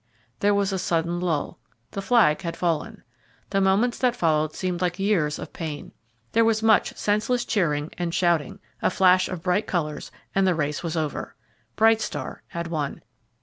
There was a sudden lull, the flag had fallen. The moments that followed seemed like years of pain there was much senseless cheering and shouting, a flash of bright colours, and the race was over. Bright Star had won.